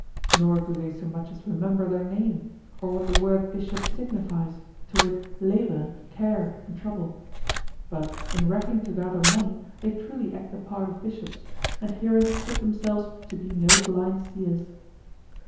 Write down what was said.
Nor do they so much as remember their name, or what the word bishop signifies, to wit, labor, care, and trouble. But in racking to gather money they truly act the part of bishops, and herein acquit themselves to be no blind seers.